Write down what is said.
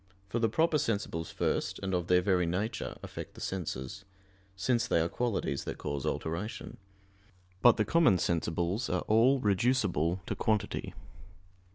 For the proper sensibles first, and of their very nature, affect the senses; since they are qualities that cause alteration. But the common sensibles are all reducible to quantity.